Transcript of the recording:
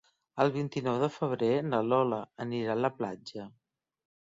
El vint-i-nou de febrer na Lola anirà a la platja.